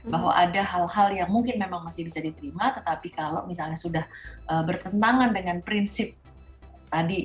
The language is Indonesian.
bahwa ada hal hal yang mungkin memang masih bisa diterima tetapi kalau misalnya sudah bertentangan dengan prinsip tadi